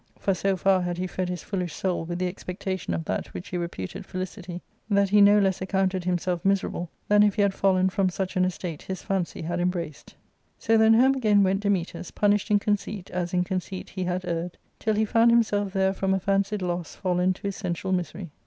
For so far had he fed his foolish soul with the expectation of that which he reputed felicity, that he no less accounted himself miserable than if he had fallen from such an estate his fancy had embraced. So then home again went Dametas, punished in conceit as in conceit he had erred, till he found himself there from a fancied loss fallen to essential misery.